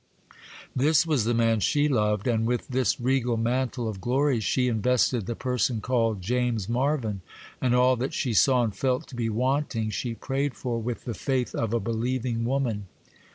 This was the man she loved; and with this regal mantle of glories she invested the person called James Marvyn: and all that she saw and felt to be wanting, she prayed for with the faith of a believing woman.